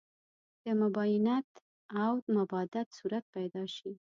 د مباینت او مباعدت صورت پیدا شي.